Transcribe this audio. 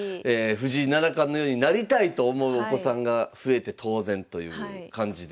藤井七冠のようになりたいと思うお子さんが増えて当然という感じですよね。